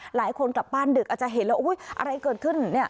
หลายคนกลับบ้านดึกอาจจะเห็นแล้วอุ๊ยอะไรเกิดขึ้นเนี่ย